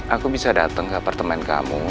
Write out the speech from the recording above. aku bisa datang ke apartemen kamu